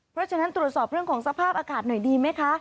เพราะฉะนั้นตรวจสอบเรื่องของสภาพอากาศหน่อยดีไหมคะ